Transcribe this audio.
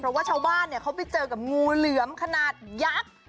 เพราะว่าชาวบ้านเขาไปเจอกับงูเหลือมขนาดยักษ์